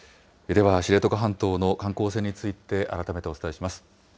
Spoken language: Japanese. では、知床半島の観光船について、改めてお伝えします。